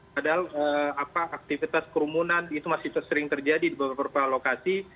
padahal aktivitas kerumunan itu masih tersering terjadi di beberapa lokasi